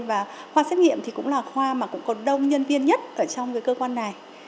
và khoa xét nghiệm thì cũng là khoa mà còn đông nhân viên nhất ở trong cơ quan này